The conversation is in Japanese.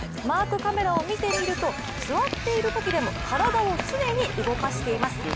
マークカメラを見てみると座っているときでも体を常に動かしています。